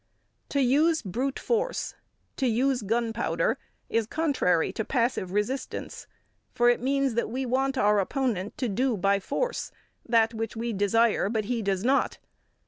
To use brute force, to use gun powder is contrary to passive resistance; for it means that we want our opponent to do by force that which we desire but he does not.